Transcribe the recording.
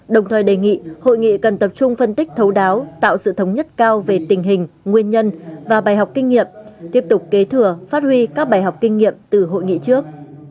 đồng thời đề nghị hội nghị cần tập trung phân tích thấu đáo tạo sự thống nhất cao về tình hình nguyên nhân và bài học kinh nghiệm tiếp tục kế thừa phát huy các bài học kinh nghiệm từ hội nghị trước